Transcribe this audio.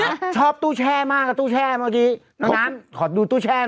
แล้วก็ชอบตู้แช่มากตู้แช่เมื่อกี้น้องน้ำขอดูตู้แช่หน่อย